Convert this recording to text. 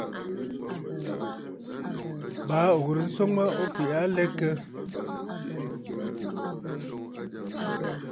Baa ò ghɨ̀rə nswoŋ mə o fɛ̀ʼ̀ɛ̀ aa a lɛ kə lɛ?